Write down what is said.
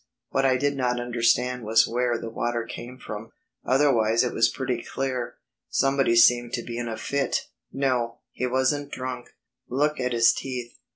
What I did not understand was where the water came from. Otherwise it was pretty clear. Somebody seemed to be in a fit. No, he wasn't drunk; look at his teeth.